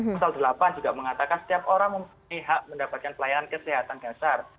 pasal delapan juga mengatakan setiap orang mempunyai hak mendapatkan pelayanan kesehatan dasar